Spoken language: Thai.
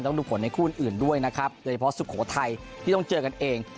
ดูผลในคู่อื่นด้วยนะครับโดยเฉพาะสุโขทัยที่ต้องเจอกันเอง